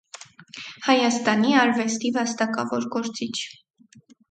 Հայաստանի արուեստի վաստակաւոր գործիչ։